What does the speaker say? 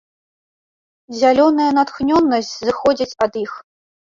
Зялёная натхнёнасць зыходзіць ад іх.